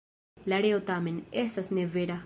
La reo tamen, estas ne vera.